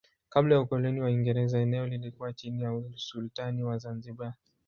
Kabla ya ukoloni wa Kiingereza eneo lilikuwa chini ya usultani wa Zanzibar.